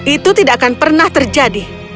itu tidak akan pernah terjadi